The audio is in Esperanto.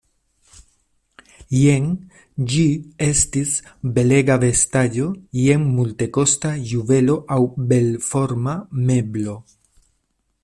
Jen ĝi estis belega vestaĵo, jen multekosta juvelo aŭ belforma meblo.